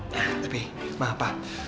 nah tapi maaf pak